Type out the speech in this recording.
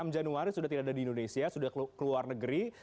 enam januari sudah tidak ada di indonesia sudah keluar negeri